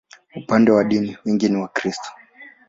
Upande wa dini, wengi ni Wakristo.